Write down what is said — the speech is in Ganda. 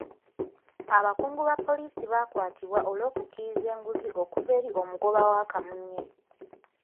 Abakungu ba poliisi baakwatibwa olw'okukkiriza enguzi okuva eri omugoba wa kamunye.